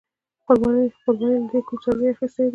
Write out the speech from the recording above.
قربانۍ له دې کوم څاروې اغستی دی؟